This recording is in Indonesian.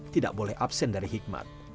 tidak boleh absen dari hikmat